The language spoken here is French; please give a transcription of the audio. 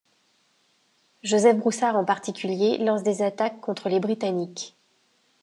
Joseph Broussard en particulier lance des attaques contre les britanniques.